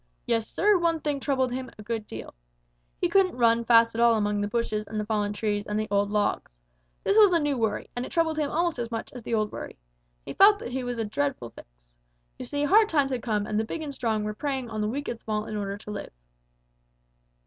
Yes, Sir, one thing troubled him a great deal. He couldn't run fast at all among the bushes and the fallen trees and the old logs. This was a new worry, and it troubled him almost as much as the old worry. He felt that he was in a dreadful fix. You see, hard times had come, and the big and strong were preying on the weak and small in order to live.